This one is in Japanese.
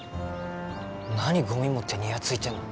何ゴミ持ってにやついてんの？